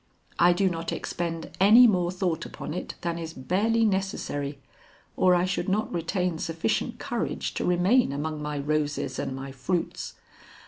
I do not expend any more thought upon it than is barely necessary, or I should not retain sufficient courage to remain among my roses and my fruits.